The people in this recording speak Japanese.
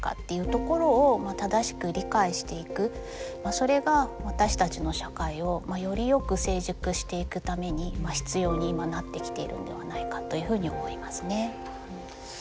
それが私たちの社会をよりよく成熟していくために必要になってきているんではないかというふうに思いますね。